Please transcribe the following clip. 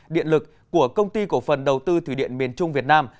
điện lực của công ty cổ phần đầu tư thủy điện miền trung việt nam